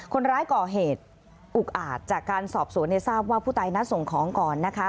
คนร้ายก่อเหตุอุกอาจจากการสอบสวนทราบว่าผู้ตายนัดส่งของก่อนนะคะ